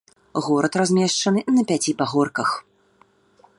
Горад размешчаны на пяці пагорках.